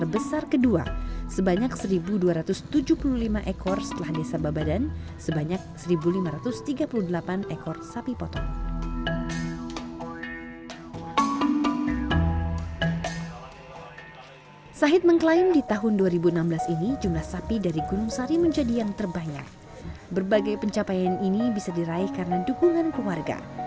bisa bertambah menjadi enam puluh kepala keluarga